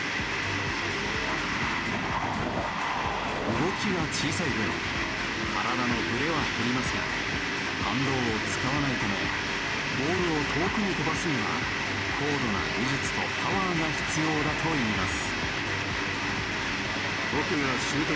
動きが小さい分体のブレは減りますが反動を使わないためボールを遠くに飛ばすには高度な技術とパワーが必要だといいます。